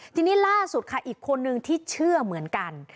ทีนี้ล่าสุดค่ะอีกคนนึงที่เชื่อเหมือนกัน